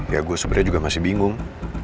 ya gue sebenarnya juga masih bingung